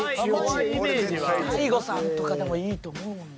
大悟さんとかでもいいと思うもんな。